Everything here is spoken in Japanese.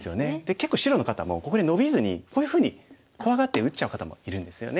結構白の方もここでノビずにこういうふうに怖がって打っちゃう方もいるんですよね。